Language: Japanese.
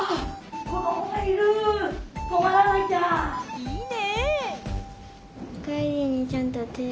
いいね！